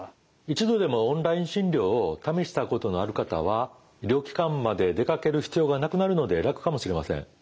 一度でもオンライン診療を試したことのある方は医療機関まで出かける必要がなくなるので楽かもしれません。